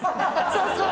そうそう。